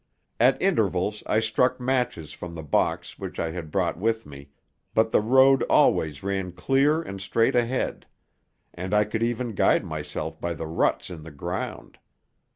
At intervals I struck matches from the box which I had brought with me, but the road always ran clear and straight ahead, and I could even guide myself by the ruts in the ground.